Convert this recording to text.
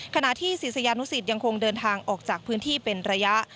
ขณะที่ศิษยานุสิตยังคงเดินทางออกจากพื้นที่เป็นระยะ